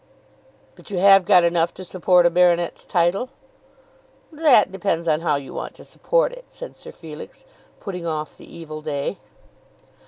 "But you have got enough to support a baronet's title?" "That depends on how you want to support it," said Sir Felix, putting off the evil day.